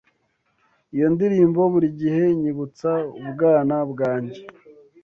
Iyo ndirimbo burigihe inyibutsa ubwana bwanjye.